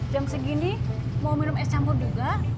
jam segini mau minum es campur juga